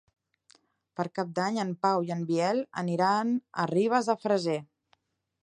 Per Cap d'Any en Pau i en Biel aniran a Ribes de Freser.